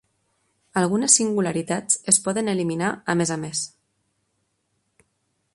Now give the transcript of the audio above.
Algunes singularitats es poden eliminar a més a més.